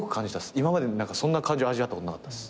今までにそんな感情味わったことなかったっす。